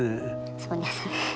そうですね。